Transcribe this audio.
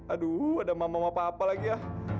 aduh ada mama sama papa lagi ya